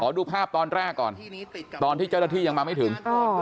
ดูภาพตอนแรกก่อนตอนที่เจ้าหน้าที่ยังมาไม่ถึง